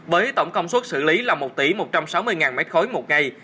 với tổng công suất xử lý là một tỷ một trăm sáu mươi mét khối một ngày